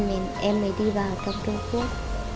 nên em mới đi vào trong trung quốc